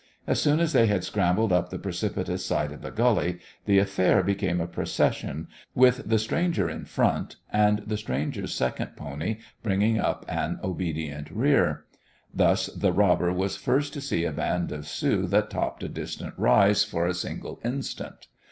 As soon as they had scrambled up the precipitous side of the gully, the affair became a procession, with the stranger in front, and the stranger's second pony bringing up an obedient rear. Thus the robber was first to see a band of Sioux that topped a distant rise for a single instant.